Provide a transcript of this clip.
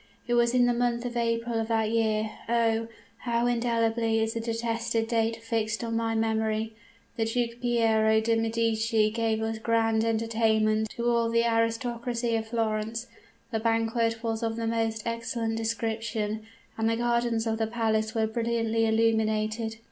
It was in the month of April of that year oh! how indelibly is the detested date fixed on my memory the Duke Piero de Medici gave a grand entertainment to all the aristocracy of Florence. The banquet was of the most excellent description; and the gardens of the palace were brilliantly illuminated.